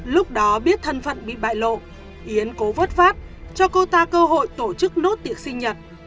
lúc đó biết thân phận bị bại lộ yến cố vất vát cho cô ta cơ hội tổ chức nốt tiệc sinh nhật